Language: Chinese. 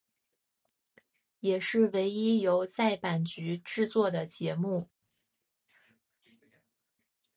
也是唯一由在阪局制作的节目。